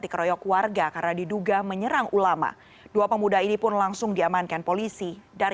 dikeroyok warga karena diduga menyerang ulama dua pemuda ini pun langsung diamankan polisi dari